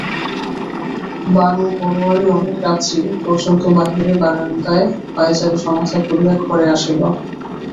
বনোয়ারি অনেক রাত্রি পর্যন্ত বাহিরের বারাণ্ডায় পায়চারি সমাধা করিয়া ঘরে আসিল।